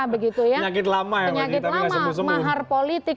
penyakit lama mahar politik